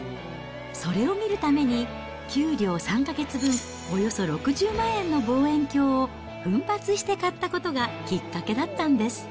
それを見るために、給料３か月分、およそ６０万円の望遠鏡を奮発して買ったことがきっかけだったんです。